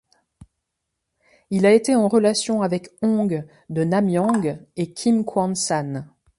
Il a été en relation avec Hong de Namyang et Kim Kwang-san.